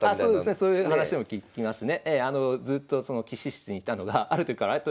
そういう話も聞きますね。